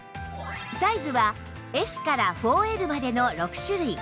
サイズは Ｓ から ４Ｌ までの６種類